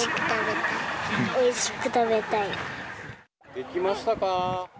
できましたか。